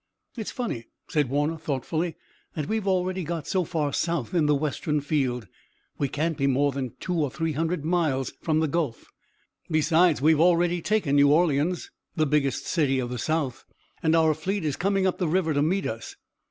"It's funny," said Warner thoughtfully, "that we've already got so far south in the western field. We can't be more than two or three hundred miles from the Gulf. Besides, we've already taken New Orleans, the biggest city of the South, and our fleet is coming up the river to meet us.